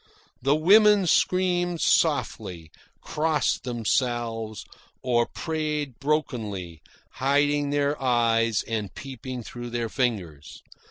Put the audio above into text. The women screamed softly, crossed themselves, or prayed brokenly, hiding their eyes and peeping through their fingers.